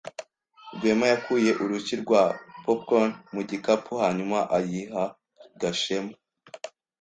Rwema yakuye urushyi rwa popcorn mu gikapu hanyuma ayiha Gashema.